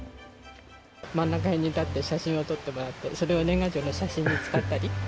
真ん中辺に立って、写真を撮ってもらって、それを年賀状の写真に使ったり。